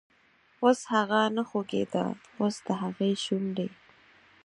اوس هغه نه خوږیده، اوس دهغې شونډې،